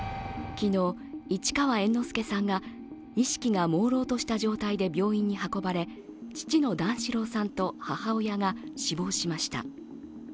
昨日、市川猿之助さんが意識がもうろうとした状態で病院に運ばれ父の段四郎さんと母親が死亡しました。